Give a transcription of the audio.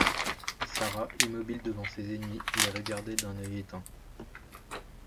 Sarah, immobile devant ses ennemis, les regardait d’un œil éteint.